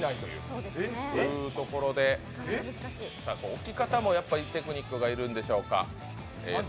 置き方もテクニックがいるんでしょうか。